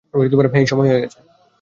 হেই, সময় হয়ে গেছে।